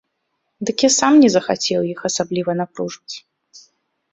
Дык я сам не захацеў іх асабліва напружваць.